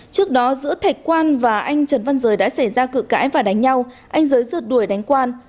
trước đó giữa thạch quan và anh trần văn rời đã xảy ra cử cãi và đánh nhau anh giới rượt đuổi đánh quan